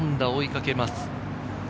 ４打を追いかけます。